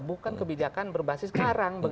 bukan kebijakan berbasis sekarang